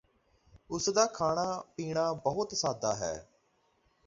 ਉਸ ਦਾ ਖਾਣਾ ਪੀਣਾ ਬਹੁਤ ਸਾਦਾ ਹੈ